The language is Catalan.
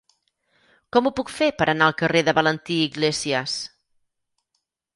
Com ho puc fer per anar al carrer de Valentí Iglésias?